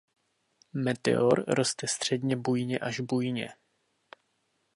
Meteor roste středně bujně až bujně.